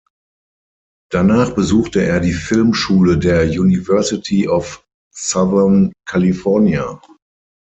Danach besuchte er die Filmschule der University of Southern California.